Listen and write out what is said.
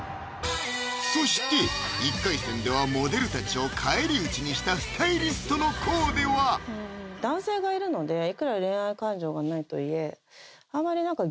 そして１回戦ではモデルたちを返り討ちにしたスタイリストのコーデはカワイイ！